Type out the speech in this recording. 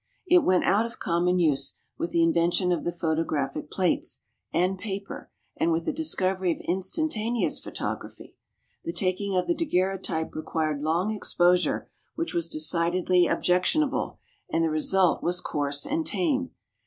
It went out of common use with the invention of the photographic plates and paper, and with the discovery of instantaneous photography. The taking of the daguerreotype required long exposure, which was decidedly objectionable, and the result was coarse and tame.